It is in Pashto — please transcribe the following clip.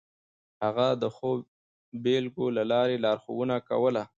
هغه د ښو بېلګو له لارې لارښوونه کوله.